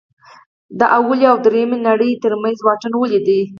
د لومړۍ او درېیمې نړۍ ترمنځ واټن ولې دی.